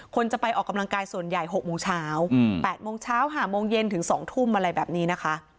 คนจะไปออกกำลังกายส่วนใหญ่๖โมงเช้า๘โมงเช้า๕โมงเย็นถึง๒ทุ่มอะไรแบบนี้นะคะ